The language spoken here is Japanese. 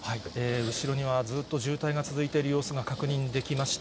後ろにはずっと渋滞が続いている様子が確認できました。